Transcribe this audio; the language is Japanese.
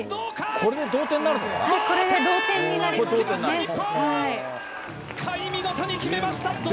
これで同点になりましたね。